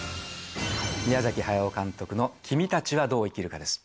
宮崎駿監督の君たちはどう生きるかです。